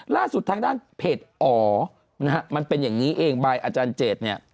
ล่าสุดทางด้านเพจอ๋อนะฮะมันเป็นอย่างนี้เองบายอาจารย์เจดเนี่ย